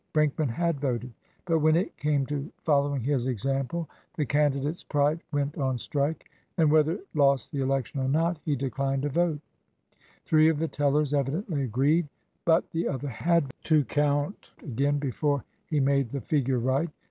Brinkman had voted. But, when it came to following his example, the candidate's pride went on strike, and, whether it lost the election or not, he declined to vote, Three of the tellers evidently agreed, but the other had to count again before he made the figure right.